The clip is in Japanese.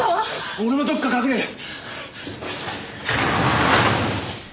俺もどこか隠れる。